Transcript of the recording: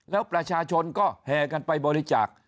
แล้วประชาชนก็แห่กันไปบริจาค